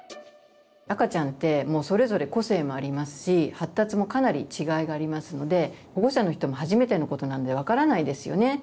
赤ちゃんってもうそれぞれ個性もありますし発達もかなり違いがありますので保護者の人も初めてのことなんで分からないですよね。